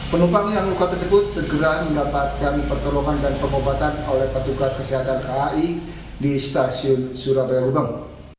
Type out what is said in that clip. penumpang yang luka tersebut segera mendapatkan pertolongan dan pengobatan oleh petugas kesehatan kai di stasiun surabaya ubang